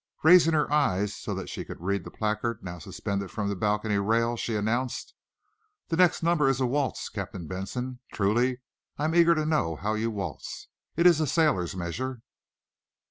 Raising her eyes so that she could read the placard now suspended from the balcony rail, she announced: "The next number is a waltz, Captain Benson. Truly, I am eager to know how you waltz. It is a sailor's measure."